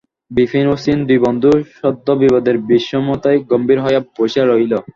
বিপিন ও শ্রীশ দুই বন্ধু সদ্যোবিবাদের বিমর্ষতায় গম্ভীর হইয়া বসিয়া রহিল।